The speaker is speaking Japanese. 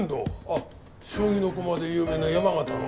あっ将棋の駒で有名な山形の。